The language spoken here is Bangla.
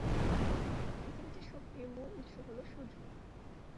পৃথিবীতে শক্তির মূল উৎস হল সূর্য।